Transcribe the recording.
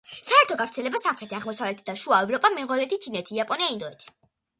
საერთო გავრცელება: სამხრეთი, აღმოსავლეთი და შუა ევროპა, მონღოლეთი, ჩინეთი, იაპონია, ინდოეთი.